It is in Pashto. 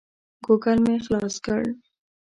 ګوګل مې خلاص کړ.